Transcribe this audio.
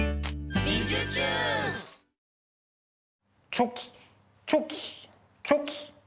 チョキチョキチョキ。